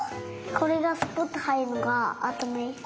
これがスポッとはいるのがあたまいい。